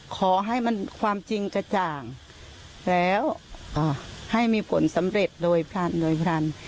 ขอให้มันความจริงกระจ่างแล้วให้มีผลสำเร็จโดยพรรณ